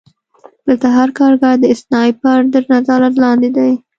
دلته هر کارګر د سنایپر تر نظارت لاندې دی